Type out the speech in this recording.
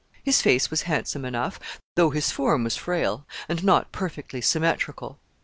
His face was handsome enough, though his form was frail, and not perfectly symmetrical.